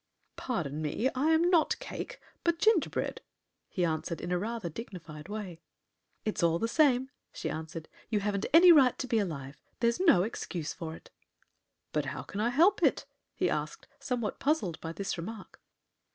"Pardon me; I am not cake, but gingerbread," he answered, in a rather dignified way. "It's all the same," she answered. "You haven't any right to be alive. There's no excuse for it." "But how can I help it?" he asked, somewhat puzzled by this remark.